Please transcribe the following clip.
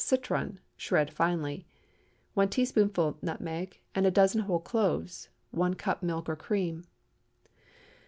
citron, shred finely. 1 teaspoonful nutmeg, and a dozen whole cloves. 1 cup milk or cream.